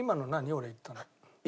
俺言ったの。